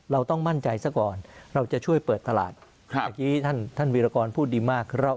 เราต้องมั่นใจซะก่อนเราจะช่วยเปิดตลาดเมื่อกี้ท่านวีรกรพูดดีมาก